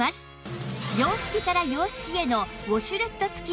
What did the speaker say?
洋式から洋式へのウォシュレット付き